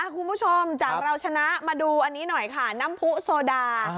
คุณผู้ชมจากเราชนะมาดูอันนี้หน่อยค่ะน้ำผู้โซดา